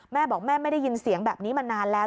แม่บอกแม่ไม่ได้ยินเสียงแบบนี้มานานแล้ว